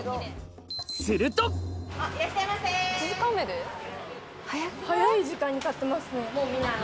すると早い時間に買ってますね。